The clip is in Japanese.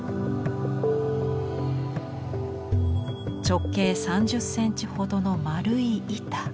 直径３０センチほどの円い板。